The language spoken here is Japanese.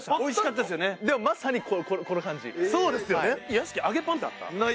屋敷揚げパンってあった？